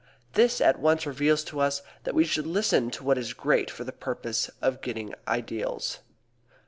This at once reveals to us that we should listen to what is great for the purpose of getting ideals.